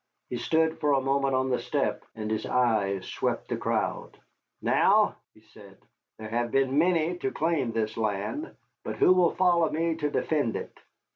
He stood for a moment on the step, and his eyes swept the crowd. "Now," he said, "there have been many to claim this land who will follow me to defend it?"